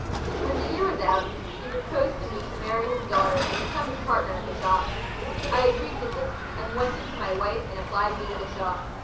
When the year was out, he proposed to me to marry his daughter and become his partner in the shop. I agreed to this and went in to my wife and applied me to the shop.